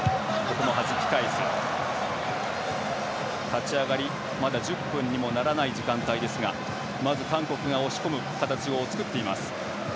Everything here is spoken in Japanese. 立ち上がり、まだ１０分にもならない時間ですがまず韓国が押し込む形を作っています。